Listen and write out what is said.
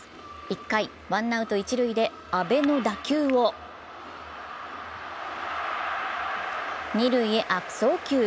１回、ワンアウト一塁で阿部の打球を二塁へ悪送球。